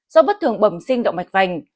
do bất thường bầm sinh động mạch phành